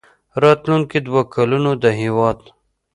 راتلونکي دوه کلونه د هېواد